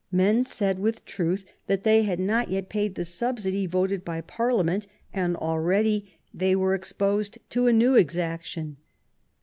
Men said with truth tl^tt they had not yet paid the subsidy voted by Par liament^ and already they were exposed to a new exac tion.